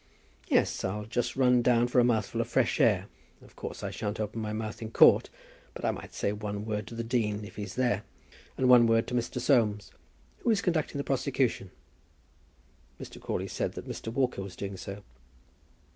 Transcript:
"Yes; I'll just run down for a mouthful of fresh air. Of course I shan't open my mouth in court. But I might say one word to the dean, if he's there; and one word to Mr. Soames. Who is conducting the prosecution?" Mr. Crawley said that Mr. Walker was doing so.